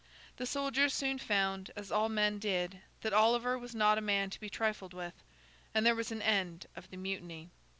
The soldiers soon found, as all men did, that Oliver was not a man to be trifled with. And there was an end of the mutiny.